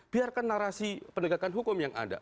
biarkan narasi penegakan hukum yang ada